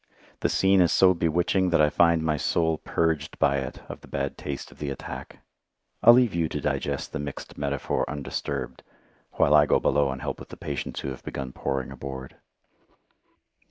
The scene is so bewitching that I find my soul purged by it of the bad taste of the attack. I'll leave you to digest the mixed metaphor undisturbed while I go below and help with the patients who have begun pouring aboard.